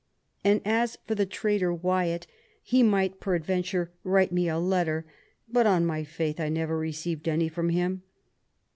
And, as for the traitor Wyatt, he might peradventure write me a letter; but, on my faith, I never received any from him.